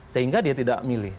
sehingga dia tidak milih